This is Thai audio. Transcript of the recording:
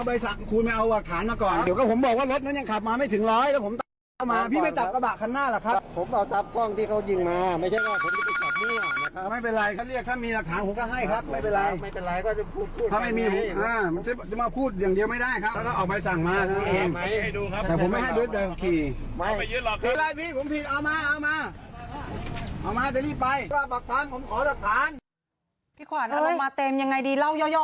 พี่ขวานอารมณ์มาเต็มยังไงดีเล่าย่อให้ฟังหน่อยสิ